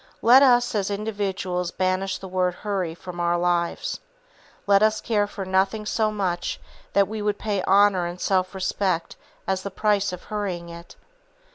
Let us as individuals banish the word "Hurry" from our lives. Let us care for nothing so much that we would pay honor and self respect as the price of hurrying it.